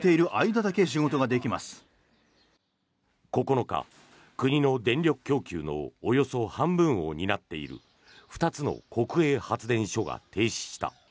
９日、国の電力供給のおよそ半分を担っている２つの国営発電所が停止した。